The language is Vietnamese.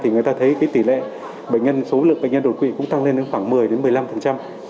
người ta thấy tỷ lệ bệnh nhân số lượng bệnh nhân đột quỵ cũng tăng lên đến khoảng một mươi đến một mươi năm